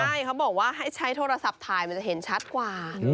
ใช่เขาบอกว่าให้ใช้โทรศัพท์ถ่ายมันจะเห็นชัดกว่า